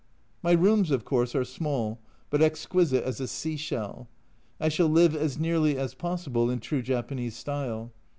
My rooms, of course, are small, but exquisite as a sea shell ; I shall live as nearly as possible in true Japanese style.